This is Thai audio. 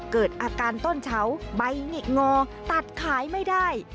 เกิดอาการต้นเฉาใบหงิกงอตัดขายไม่ได้